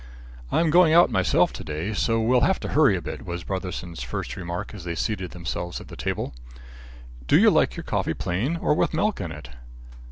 "I'm going out myself to day, so we'll have to hurry a bit," was Brotherson's first remark as they seated themselves at table. "Do you like your coffee plain or with milk in it?"